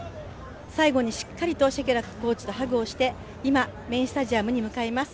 最後にしっかりとシェケラックコーチとハグをして、今、メインスタジアムに向かいます